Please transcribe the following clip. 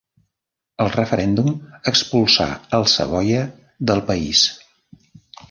El referèndum expulsà els Savoia del país.